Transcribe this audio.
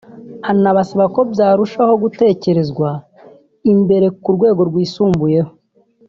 anabasaba ko byarushaho gutezwa imbere ku rwego rwisumbuyeho